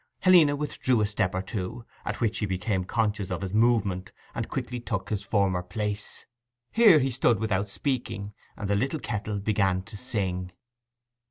Helena withdrew a step or two, at which he became conscious of his movement, and quickly took his former place. Here he stood without speaking, and the little kettle began to sing.